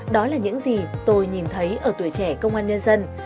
đó là những gì tôi nhìn thấy ở tuổi trẻ công an nhân dân